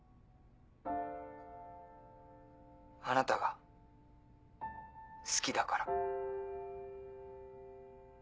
あなたが好きだから。